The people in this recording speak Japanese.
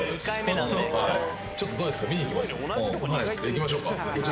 行きましょうか。